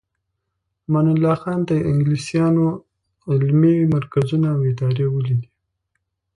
امان الله خان د انګلیسانو علمي مرکزونه او ادارې ولیدې.